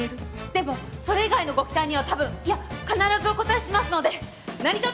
でもそれ以外のご期待には多分いや必ずお応えしますので何とぞ！